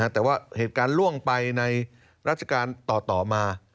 แต่ว่าเหตุการณ์ล่วงไปในราชการต่อมา